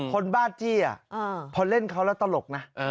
บ้าจี้พอเล่นเขาแล้วตลกนะ